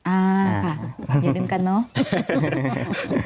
อ่าค่ะอย่าลืมกันเนอะ